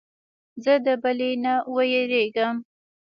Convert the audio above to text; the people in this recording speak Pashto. زه د بلې نه وېرېږم.